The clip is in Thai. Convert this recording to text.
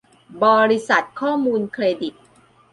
บริษัทข้อมูลเครดิต